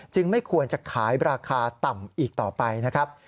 ไม่ควรจะขายราคาต่ำอีกต่อไปนะครับ